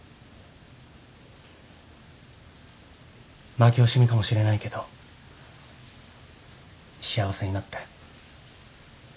負け惜しみかもしれないけど幸せになって。